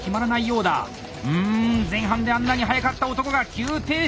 うん前半であんなに速かった男が急停車！